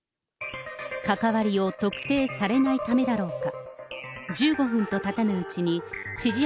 関わりを特定されないためだろうか。